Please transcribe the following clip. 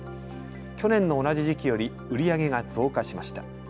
去年の同じ時期より売り上げが増加しました。